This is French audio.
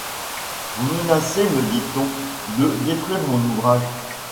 Vous menacez, me dit-on, de détruire mon ouvrage ?